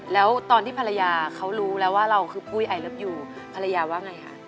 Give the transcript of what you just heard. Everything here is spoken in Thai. แล้วตอนที่ภรรยาเขารู้แล้วว่าเราคือปุ้ยไอเลิฟยูภรรยาว่าไงคะ